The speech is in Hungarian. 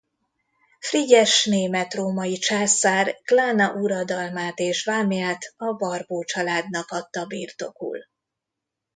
Frigyes német-római császár Klana uradalmát és vámját a Barbo családnak adta birtokul.